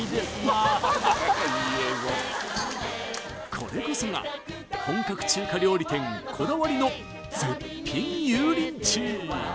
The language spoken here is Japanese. これこそが本格中華料理店こだわりの絶品油淋鶏！